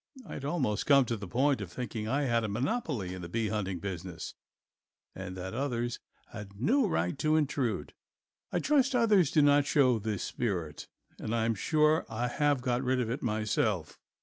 I had almost come to the point of thinking I had a monopoly in the bee hunting business and that others had no right to intrude. I trust others do not show this spirit and am sure I have got rid of it myself.